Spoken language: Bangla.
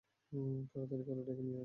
তাড়াতাড়ি করে ডেকে নিয়ে আই, ভাই।